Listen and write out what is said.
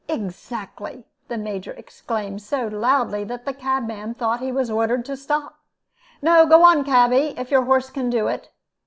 "Exactly!" the Major exclaimed, so loudly that the cabman thought he was ordered to stop. "No, go on, cabby, if your horse can do it.